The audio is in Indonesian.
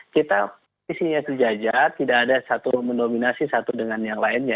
kita visinya sejajar tidak ada satu mendominasi satu dengan yang lainnya